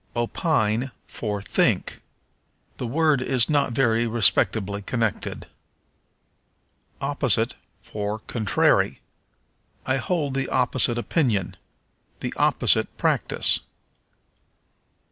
Opine for Think. The word is not very respectably connected. Opposite for Contrary. "I hold the opposite opinion." "The opposite practice."